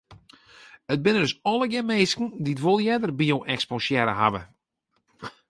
It binne dus allegear minsken dy't wol earder by jo eksposearre hawwe?